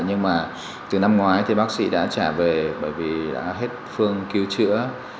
nhưng mà từ năm ngoái thì bác sĩ đã trả về bởi vì đã hết phương cứu chữa